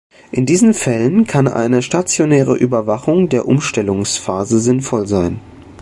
In diesen Fällen kann eine stationäre Überwachung der Umstellungsphase sinnvoll sein.